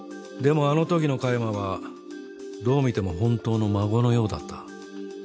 でもあのときの加山はどう見ても本当の孫のようだった。